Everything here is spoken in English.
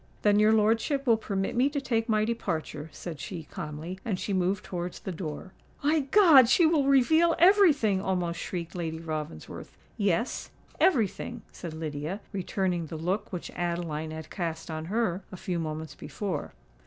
"Then your lordship will permit me to take my departure," said she, calmly; and she moved towards the door. "My God! she will reveal every thing!" almost shrieked Lady Ravensworth. "Yes—every thing," said Lydia, returning the look which Adeline had cast on her a few moments before.